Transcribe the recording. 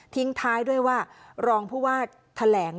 ท้ายด้วยว่ารองผู้ว่าแถลง